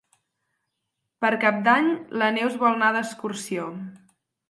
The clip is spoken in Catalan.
Per Cap d'Any na Neus vol anar d'excursió.